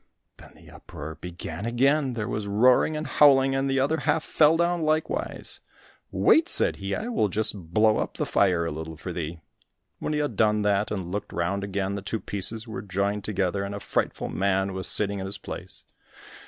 Then the uproar began again, there was a roaring and howling, and the other half fell down likewise. "Wait," said he, "I will just blow up the fire a little for thee." When he had done that and looked round again, the two pieces were joined together, and a frightful man was sitting in his place.